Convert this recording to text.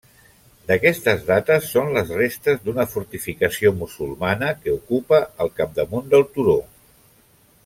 D'aquestes dates són les restes d'una fortificació musulmana que ocupa el capdamunt del turó.